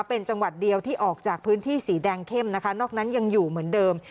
เป็นจังหวัดเดียวที่ออกจากพื้นที่สีแดงเข้มนะคะนอกนั้นยังอยู่เหมือนเดิม